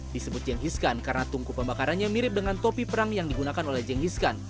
disebut jeng hiskan karena tungku pembakarannya mirip dengan topi perang yang digunakan oleh jeng hiskan